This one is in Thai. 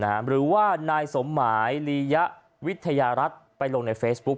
หรือว่านายสมหมายลียะวิทยารัฐไปลงในเฟซบุ๊ก